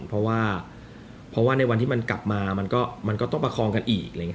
เพราะว่าเพราะว่าในวันที่มันกลับมามันก็ต้องประคองกันอีก